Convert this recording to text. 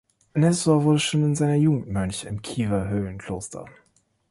Nestor wurde schon in seiner Jugend Mönch im Kiewer Höhlenkloster.